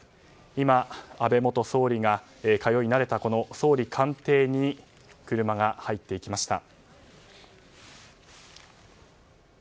今、安倍元総理が通いなれたこの総理官邸に車が入っていきました。